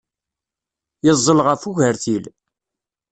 Yeẓẓel ɣef ugertil.